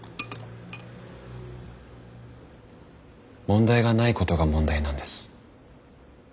問題がないことが問題なんです。